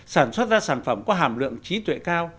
sản xuất ra sản phẩm có hàm lượng trí tuệ cao